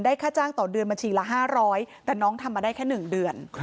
ค่าจ้างต่อเดือนบัญชีละ๕๐๐แต่น้องทำมาได้แค่๑เดือน